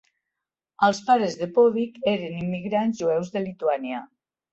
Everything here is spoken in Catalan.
Els pares de Povich eren immigrants jueus de Lituània.